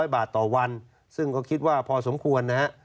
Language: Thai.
๐บาทต่อวันซึ่งก็คิดว่าพอสมควรนะฮะ